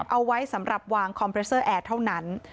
เอาไว้สำหรับวางคอมเพรสเซอร์แอร์เท่านั้น